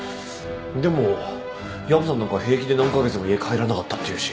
でも薮さんなんか平気で何カ月も家帰らなかったっていうし。